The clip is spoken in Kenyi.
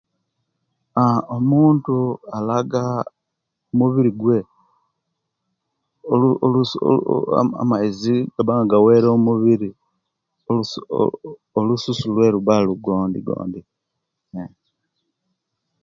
Aah omuntu alaga omubiri gwe olusu olu amaizi owegabanga gaweile omumubiri olu ooh olususu lwe luba lugondigondi.